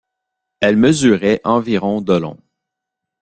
Elle mesurait environ de long.